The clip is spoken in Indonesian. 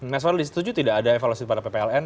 mas wadli setuju tidak ada evaluasi terhadap ppln